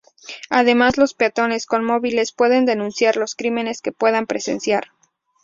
Además, los peatones con móviles pueden denunciar los crímenes que puedan presenciar.